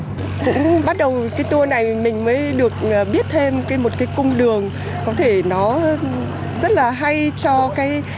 cũng bắt đầu cái tour này mình mới được biết thêm một cái cung đường có thể nó rất là hay cho cái